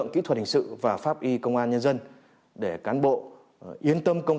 kỹ thuật hình sự và pháp uy công an nhân dân